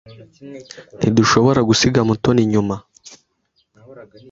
Ntidushobora gusiga Mutoni inyuma.